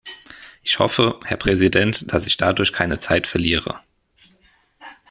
Ich hoffe, Herr Präsident, dass ich dadurch keine Zeit verliere.